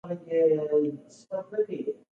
د هر شاګرد مهارت د تمرین له لارې لوړاوه.